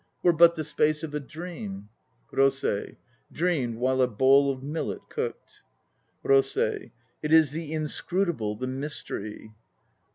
Were but the space of a dream, ROSEI. Dreamed while a bowl of millet cooked! CHORUS. It is the Inscrutable, the Mystery.